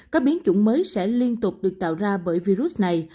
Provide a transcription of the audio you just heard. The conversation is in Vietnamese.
các biến chủng mới sẽ liên tục được tạo ra bởi virus này